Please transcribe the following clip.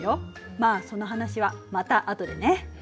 まあその話はまた後でね。